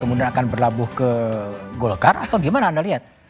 kemudian akan berlabuh ke golkar atau gimana anda lihat